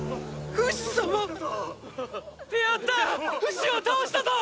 フシを倒したぞ！！